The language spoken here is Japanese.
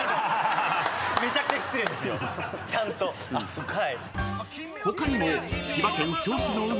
そっか。